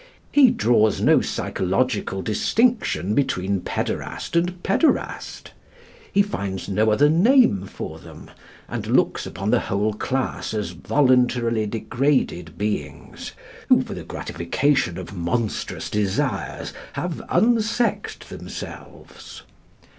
He draws no psychological distinction between pæderast and pæderast. He finds no other name for them, and looks upon the whole class as voluntarily degraded beings who, for the gratification of monstrous desires, have unsexed themselves.